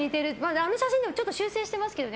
あの写真はちょっと修整してますけどね。